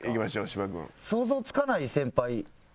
芝君。